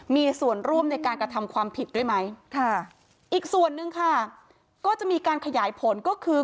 มีส่วนร่วมในการกระทำความผิดด้วยไหมก็จะมีการขยายผลก็คือ